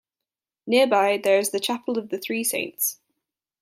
Nearby, there is the Chapel of the Three Saints.